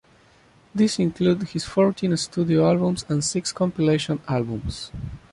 These include his fourteen studio albums and six compilation albums.